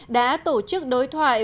đã tổ chức đối thoại